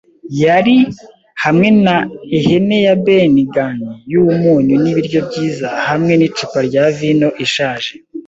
yari, hamwe na ihene ya Ben Gunn yumunyu nibiryo byiza hamwe nicupa rya vino ishaje